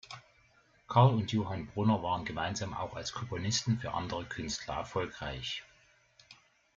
Karl und Johann Brunner waren gemeinsam auch als Komponisten für andere Künstler erfolgreich.